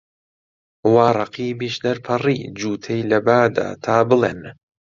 وا ڕەقیبیش دەرپەڕی، جووتەی لە با دا، تا بڵێن